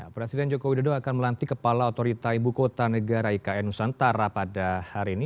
presiden joko widodo akan melantik kepala otorita ibu kota negara ikn nusantara pada hari ini